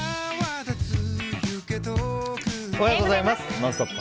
「ノンストップ！」